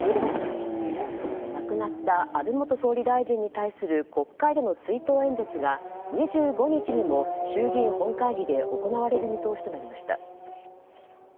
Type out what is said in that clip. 亡くなった安倍元総理大臣に対する国会での追悼演説が２５日にも衆議院本会議で行われる見通しとなりました。